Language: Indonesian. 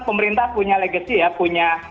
pemerintah punya legacy ya punya